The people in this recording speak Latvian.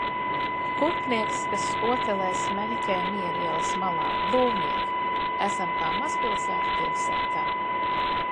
Kurpnieks, kas skotelē smēķē Miera ielas malā. Būvnieki. Esam kā mazpilsēta pilsētā.